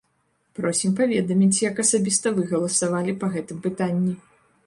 Просім паведаміць, як асабіста вы галасавалі па гэтым пытанні?